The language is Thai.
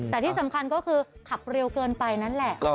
แต่ที่สำคัญก็คือขับเร็วเกินไปนั่นแหละ